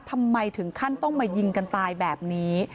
ทำไมถึงขั้นต้องมายิงกันตายแบบนี้